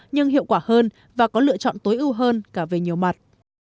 nhưng hiệu quả hơn và có lựa chọn tối ưu hơn cả về nhiều mặt